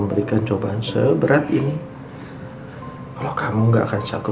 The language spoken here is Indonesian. bapak akan selalu melindungi kamu